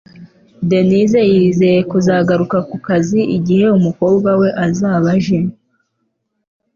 Denise yizeye kuzagaruka ku kazi igihe umukobwa we azaba aje